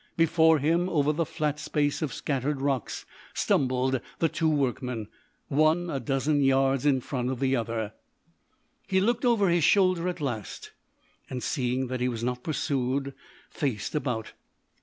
Before him, over the flat space of scattered rocks, stumbled the two workmen one a dozen yards in front of the other. He looked over his shoulder at last, and, seeing that he was not pursued, faced about.